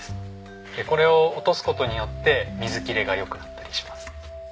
これを落とす事によって水切れがよくなったりします。